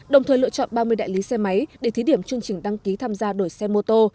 đồng thời lựa chọn ba mươi đại lý xe máy để thí điểm chương trình đăng ký tham gia đổi xe mô tô